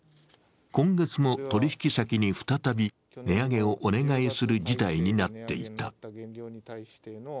今月も取引先に再び値上げをお願いする事態になっていた。